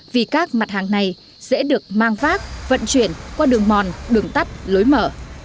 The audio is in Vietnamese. vì các mặt hàng này dễ được mang vác vận chuyển qua đường mòn đường tắt lối mở